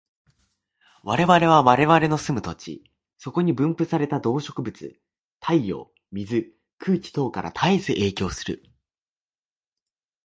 我々は我々の住む土地、そこに分布された動植物、太陽、水、空気等から絶えず影響される。